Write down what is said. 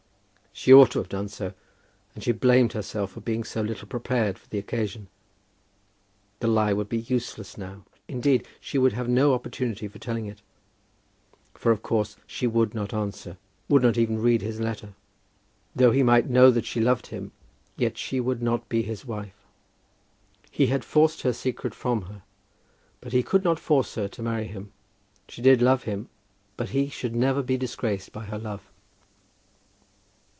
She ought to have done so, and she blamed herself for being so little prepared for the occasion. The lie would be useless now. Indeed, she would have no opportunity for telling it; for of course she would not answer, would not even read his letter. Though he might know that she loved him, yet she would not be his wife. He had forced her secret from her, but he could not force her to marry him. She did love him, but he should never be disgraced by her love.